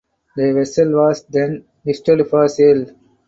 The vessel was then listed for sale.